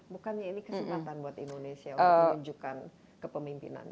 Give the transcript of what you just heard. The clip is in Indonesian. bukannya ini kesempatan buat indonesia untuk menunjukkan ke pemimpin